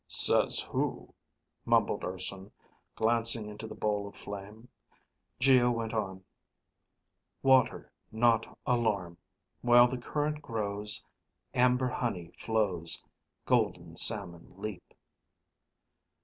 "Says who," mumbled Urson glancing into the bowl of flame. Geo went on: "_water not alarm. While the current grows, amber honey flows, golden salmon leap.